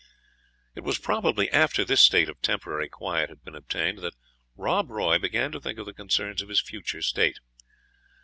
It was probably after this state of temporary quiet had been obtained, that Rob Roy began to think of the concerns of his future state.